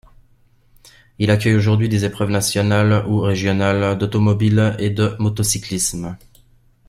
Il accueille aujourd'hui des épreuves nationales ou régionales d'automobile et de motocyclisme.